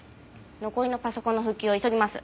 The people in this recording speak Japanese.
残りのパソコンの復旧を急ぎます。